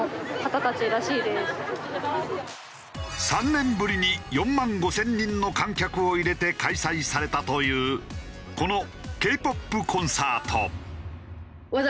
３年ぶりに４万５０００人の観客を入れて開催されたというこのＫ−ＰＯＰコンサート。